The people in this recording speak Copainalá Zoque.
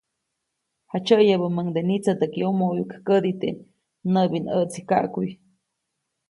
Jaʼtsyäʼyabäʼmuŋde nitsätäʼk yomo ʼoyuʼk kädi teʼ näʼbinʼäʼtsikaʼkuʼy.